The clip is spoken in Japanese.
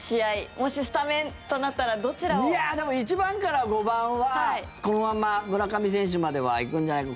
もしスタメンとなったらでも、１番から５番はこのまんま村上選手までは行くんじゃないか。